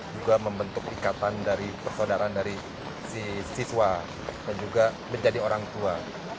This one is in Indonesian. juga membentuk ikatan dari persaudaraan dari si siswa dan juga menjadi orang tua